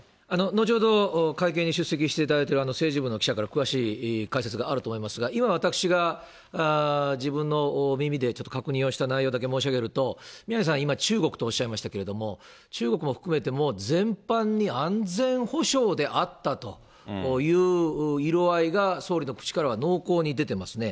後ほど会見に出席していただいている政治部の記者から詳しい解説があると思いますが、今、私が自分の耳でちょっと確認をした内容だけ申し上げると、宮根さん、今、中国とおっしゃいましたけれども、中国も含めても、全般に安全保障であったという色合いが総理の口からは濃厚に出ていますね。